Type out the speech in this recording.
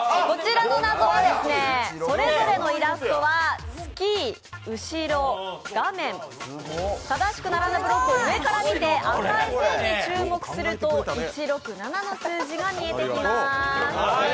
それぞれのイラストは「すきー」「うしろ」「がめん」正しく並んだブロックを上から見て赤い線に注目すると１６７の数字が見えてきます。